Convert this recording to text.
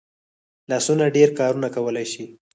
لاسونه ډېر کارونه کولی شي